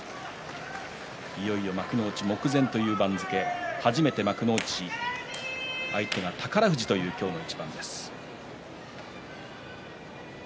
いよいよ幕内目前という番付初めての幕内相手が宝富士という今日の一番です。